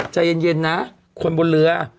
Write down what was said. ใจเย็นนะคนบนเรือ